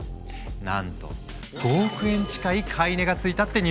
なんと５億円近い買い値がついたってニュースも！